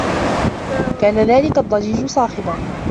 كان ذلك الضّجيج صاخبا.